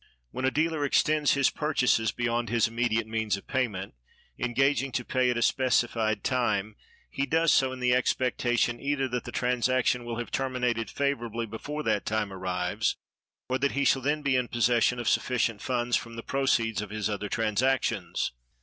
When a dealer extends his purchases beyond his immediate means of payment, engaging to pay at a specified time, he does so in the expectation either that the transaction will have terminated favorably before that time arrives, or that he shall then be in possession of sufficient funds from the proceeds of his other transactions.